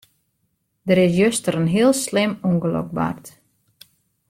Der is juster in heel slim ûngelok bard.